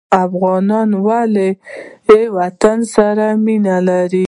افغانان ولې وطن سره مینه لري؟